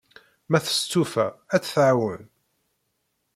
Ma testufa, ad t-tɛawen.